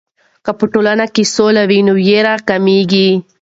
که په ټولنه کې سوله وي، نو ویر کمېږي.